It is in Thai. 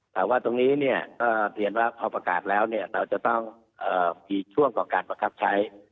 แต่ว่าตรงนี้นี่เพราะเปลี่ยนพอประกาศแล้วเนี่ยเราจะต้องมีช่วงของการปักรับใช้